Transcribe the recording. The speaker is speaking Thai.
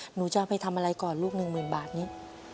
หนูจะไปทำอะไรก่อนลูกหนึ่งหมื่นบาทนี้